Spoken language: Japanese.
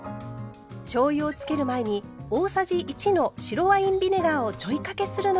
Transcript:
しょうゆを付ける前に大さじ１の白ワインビネガーをちょいかけするのがおすすめ。